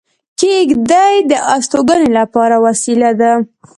کېږدۍ د استوګنې لپاره وسیله ده